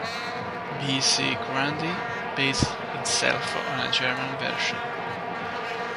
B. C. Grundy, based itself on a German version.